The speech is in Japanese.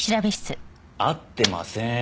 会ってませーん。